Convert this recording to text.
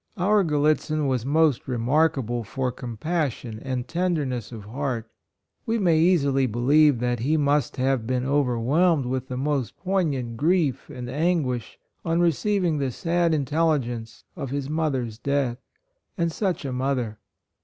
Our Gallitzin was most remarkable for compassion and ten derness of heart. We may easily believe that he must have been overwhelmed with the most poig .106 DEATH OF HIS MOTHER, &C. 107 nant grief and anguish on receiv ing the sad intelligence of his mother's death — and such a mother.